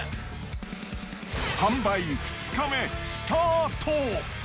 販売２日目、スタート。